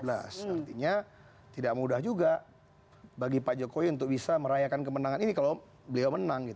artinya tidak mudah juga bagi pak jokowi untuk bisa merayakan kemenangan ini kalau beliau menang